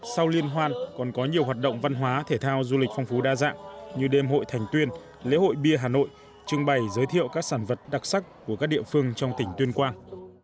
sau liên hoan còn có nhiều hoạt động văn hóa thể thao du lịch phong phú đa dạng như đêm hội thành tuyên lễ hội bia hà nội trưng bày giới thiệu các sản vật đặc sắc của các địa phương trong tỉnh tuyên quang